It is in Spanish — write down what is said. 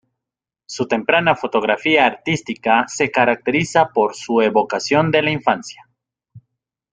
Su temprana fotografía artística se caracteriza por su evocación de la infancia.